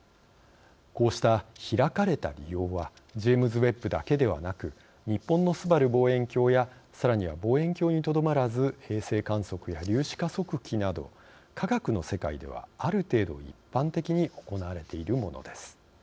こうした開かれた利用はジェームズ・ウェッブだけではなく日本のすばる望遠鏡やさらには望遠鏡にとどまらず衛星観測や粒子加速器など科学の世界では、ある程度一般的に行われているものです。